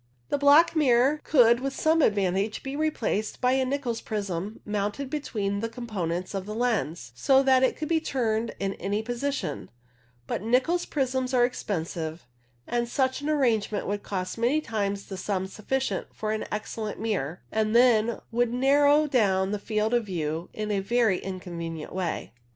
The black mirror could with some advantage be replaced by a Nicol's prism mounted between the components of the lens, so that it could be turned in any position ; but Nicol's prisms are expensive, and such an arrangement would cost many times the sum sufficient for an excellent mirror, and then would narrow down the field of yiew in a very inconvenient way.